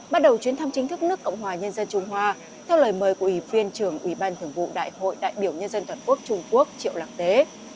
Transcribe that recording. bắt đầu chuyến thăm chính thức nước cộng hòa nhân dân trung hoa theo lời mời của ủy viên trưởng ủy ban thường vụ đại hội đại biểu nhân dân toàn quốc trung quốc triệu lạc tế